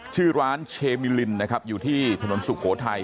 ชื่อร้านเชมิลินนะครับอยู่ที่ถนนสุโขทัย